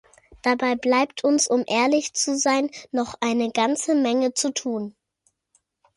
Dabei bleibt uns um ehrlich zu sein noch eine ganze Menge zu tun.